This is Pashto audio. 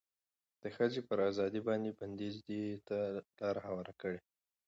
د ښځې پر ازادې باندې بنديز دې ته لار هواره کړه